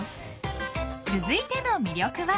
［続いての魅力は］